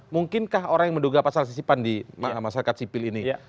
mungkinkah orang yang menduga pasal sisipan di masyarakat sipil ini